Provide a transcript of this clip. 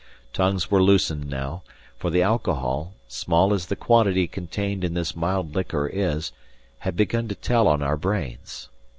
Tongues were loosened now; for the alcohol, small as the quantity contained in this mild liquor is, had begun to tell on our brains.